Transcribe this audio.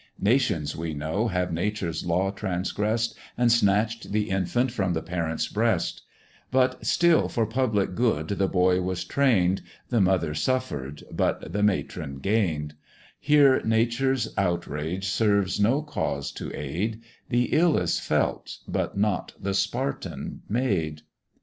Nations we know have nature's law transgress'd, And snatch'd the infant from the parent's breast; But still for public good the boy was train'd, The mother suffer'd, but the matron gain'd: Here nature's outrage serves no cause to aid; The ill is felt, but not the Spartan made.